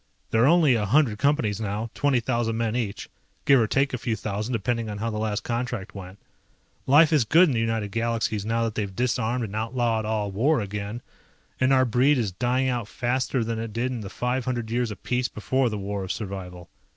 There are only a hundred Companies now, twenty thousand men each, give or take a few thousand depending on how the last contract went. Life is good in the United Galaxies now that they've disarmed and outlawed all war again, and our breed is dying out faster than it did in the 500 years of peace before the War of Survival.